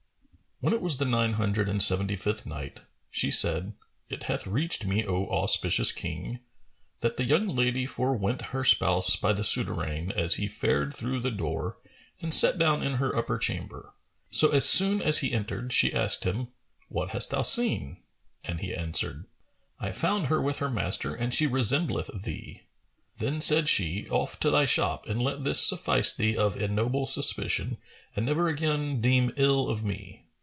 When it was the Nine Hundred and Seventy fifth Night, She said, It hath reached me, O auspicious King, that the young lady forewent her spouse by the souterrain as he fared through the door and sat down in her upper chamber;[FN#432] so as soon as he entered she asked him, "What hast thou seen?" and he answered, "I found her with her master; and she resembleth thee." Then said she, "Off to thy shop and let this suffice thee of ignoble suspicion and never again deem ill of me."